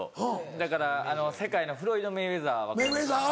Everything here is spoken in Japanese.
だから世界のフロイド・メイウェザー分かりますかね。